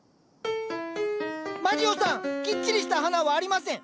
まじおさんきっちりした花はありません。